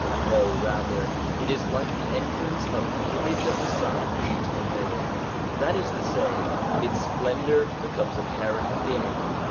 No, rather it is like the entrance of the image of the sun into the mirror ; that is to say, its splendour becomes apparent in it.